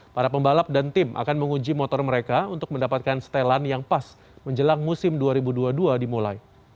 para pembalap dan tim akan menguji motor mereka untuk mendapatkan setelan yang pas menjelang musim dua ribu dua puluh dua dimulai